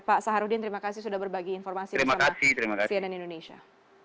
pak saharudin terima kasih sudah berbagi informasi bersama cnn indonesia